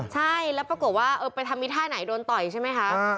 ใช่แล้วปรากฏว่าไปทำอีท่าไหนโดนต่อยใช่ไหมคะ